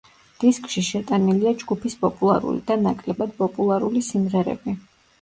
დისკში შეტანილია ჯგუფის პოპულარული და ნაკლებად პოპულარული სიმღერები.